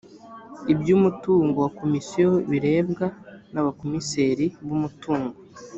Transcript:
iby’umutungo wa komisiyo birebwa n’abakomiseri b’umutungo